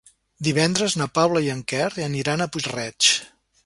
Divendres na Paula i en Quer aniran a Puig-reig.